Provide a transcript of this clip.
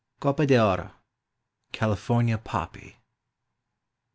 COP A DE ORO. (CALIFORNIA POPPY.)